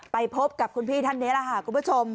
ไปพบกับคุณพี่ท่านนี้แหละค่ะคุณผู้ชม